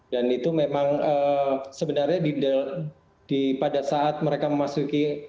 dan itu memang sebenarnya pada saat mereka memasuki